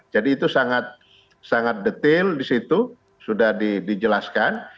jadi itu sangat sangat detail di situ sudah dijelaskan